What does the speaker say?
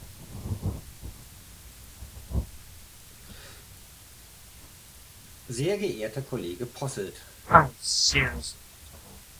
Sehr geehrter Kollege Posselt!